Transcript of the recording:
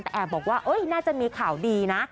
แต่แอบบอกว่าน่าจะมีข่าวดีนะ